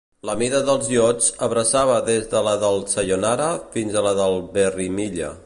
La mida dels iots abraçava des de la del "Sayonara" fins a la del "Berrimilla".